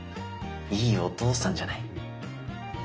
いいお父さんじゃない。